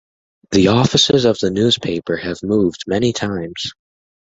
The offices of the newspaper have moved many times.